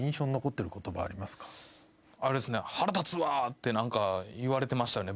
って何か言われてましたね